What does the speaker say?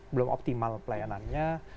belum optimal pelayanannya